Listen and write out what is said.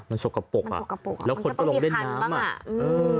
มันสกปรกอ่ะมันสกปรกอ่ะแล้วผลก็ลงเล่นน้ำอ่ะอือ